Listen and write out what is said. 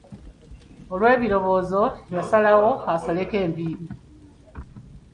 Olw'ebirowoozo yasalawo asaleko enviiri.